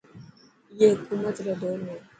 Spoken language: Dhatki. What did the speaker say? اي حڪومت ري دور ۾.